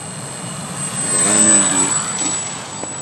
Bɣan-iyi.